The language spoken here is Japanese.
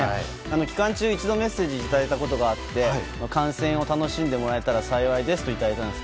期間中、一度メッセージをいただいたことがあって観戦を楽しんでもらえたら幸いですといただいたんです。